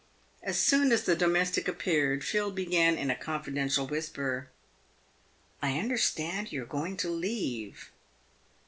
As soon as the domestic appeared, Phil began, in a confidential whisper, "I understand you're going to leave."